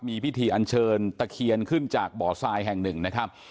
มีพิธีอันเชิญตะเคียนขึ้นจากบ่อทรายแห่งหนึ่งนะครับ